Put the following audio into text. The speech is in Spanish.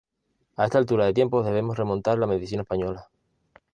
A esta altura de tiempos debemos remontar la medicina española.